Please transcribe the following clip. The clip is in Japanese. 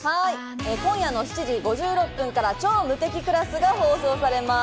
今夜７時５６分からは『超無敵クラス』が放送されます。